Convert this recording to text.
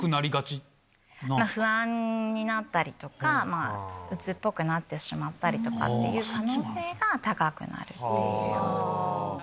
不安になったりとか鬱っぽくなってしまったりとかっていう可能性が高くなる。